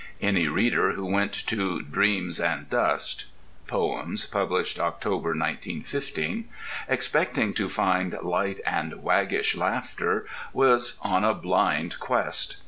Any reader who went to Dreams and Dust (poems, published October, 1915) expecting to find light and waggish laughter, was on a blind quest.